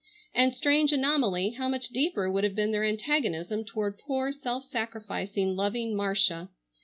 And, strange anomaly, how much deeper would have been their antagonism toward poor, self sacrificing, loving Marcia!